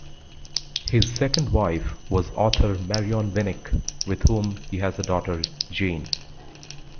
His second wife was author Marion Winik, with whom he has a daughter, Jane.